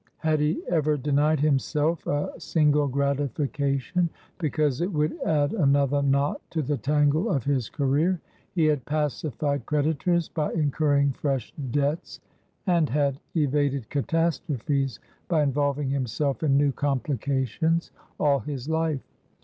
Had he ever denied himself a single gratification, because it would add another knot to the tangle of his career? He had pacified creditors by incurring fresh debts, and had evaded catastrophes by involving himself in new complications all his life.